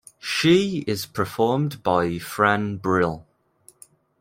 She is performed by Fran Brill.